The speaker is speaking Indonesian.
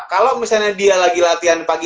kalau misalnya dia lagi latihan pagi